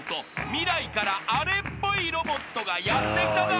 未来からあれっぽいロボットがやって来たぞ］